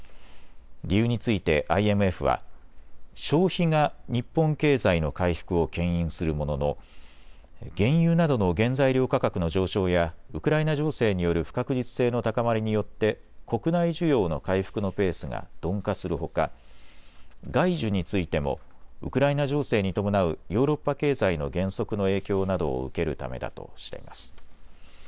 理由についてＩＭＦは消費が日本経済の回復をけん引するものの原油などの原材料価格の上昇やウクライナ情勢による不確実性の高まりによって国内需要の回復のペースが鈍化するほか外需についてもウクライナ情勢に伴うヨーロッパ経済の減速の影響などを受けるためだとしています。